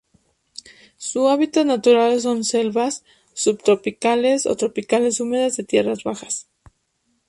Su hábitat natural son selvas subtropicales o tropicales húmedas de tierras bajas.